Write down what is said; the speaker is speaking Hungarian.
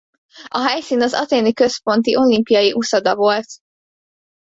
A helyszín az athéni Központi Olimpiai Uszoda volt.